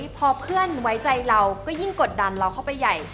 พอเพื่อนไว้ใจเราก็ยิ่งกดดันเราเข้าไปใหญ่